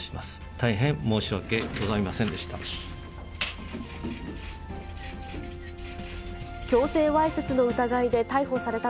大変申し訳ございませんでした。